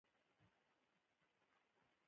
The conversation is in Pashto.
ابن سینا او رازي ایرانیان وو.